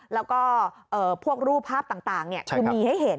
แล้วก็พวกรูปภาพต่างคือมีให้เห็น